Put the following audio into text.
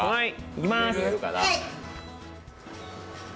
いきまーす。